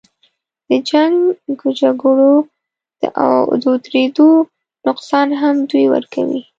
د جنګ و جګړو د اودرېدو نقصان هم دوی ورکوي.